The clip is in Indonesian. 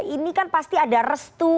ini kan pasti ada restu